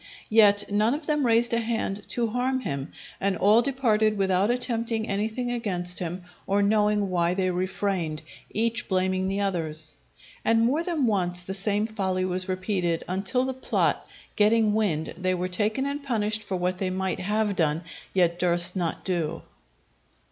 Yet none of them raised a hand to harm him, and all departed without attempting anything against him or knowing why they refrained; each blaming the others. And more than once the same folly was repeated, until the plot getting wind, they were taken and punished for what they might have done, yet durst not do.